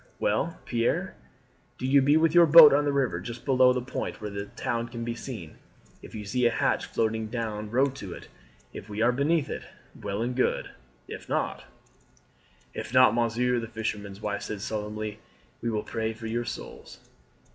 Well, Pierre, do you be with your boat on the river just below the point where the town can be seen. If you see a hatch floating down row to it. If we are beneath it, well and good; if not " "If not, monsieur," the fisherman's wife said solemnly, "we will pray for your souls."